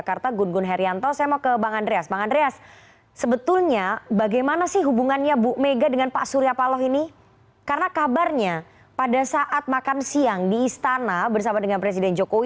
karena kabarnya pada saat makan siang di istana bersama dengan presiden jokowi